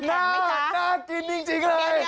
น่ากินจริงเลย